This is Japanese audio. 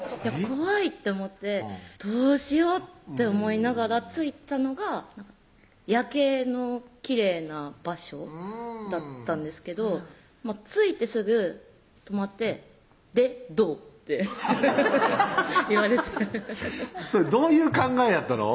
怖いって思ってどうしようって思いながら着いたのが夜景のきれいな場所だったんですけど着いてすぐ止まって「でどう？」って言われてそれどういう考えやったの？